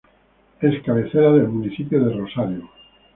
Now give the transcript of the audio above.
Es cabecera del municipio de Rosario.